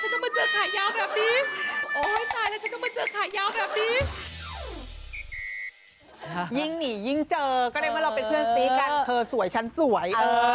ตกตบแล้วติดใจ